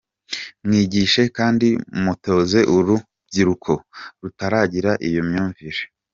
Mwigishe kandi mutoze urundi rubyiruko rutaragira iyo myumvire.